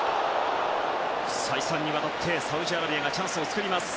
再三にわたってサウジアラビアがチャンスを作ります。